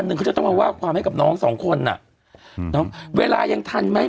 หนึ่งเขาจะต้องมาว่าความให้กับน้องสองคนอ่ะอืมเนอะเวลายังทันไหม